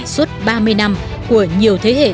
suốt ba mươi năm của nhiều thế hệ